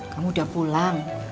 kamu udah pulang